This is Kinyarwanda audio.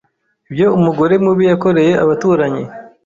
Ibyo umugore mubi yakoreye abaturanyi